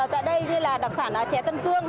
tại đây như là đặc sản chè tân tương